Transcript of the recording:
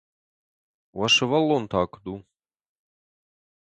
Уӕ сывӕллон та куыд у?